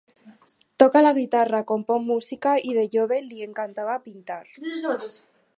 Toca la guitarra, compon música i de jove li encantava pintar.